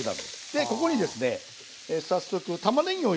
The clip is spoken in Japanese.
でここにですね早速たまねぎを入れます。